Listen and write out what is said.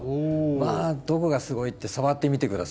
まあどこがすごいって触ってみて下さい。